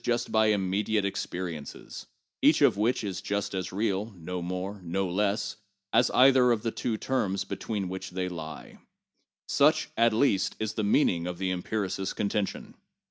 PSYCHOLOGY AND SCIENTIFIC METHODS 399 by immediate experiences, each of which is just as real (no more, no less) as either of the two terms between which it lies. Such, at least, is the meaning of the empiricist's contention.